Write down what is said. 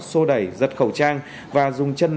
xô đẩy giật khẩu trang và dùng chân